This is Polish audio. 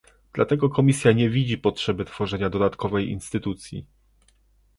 Dlatego Komisja nie widzi potrzeby tworzenia dodatkowej instytucji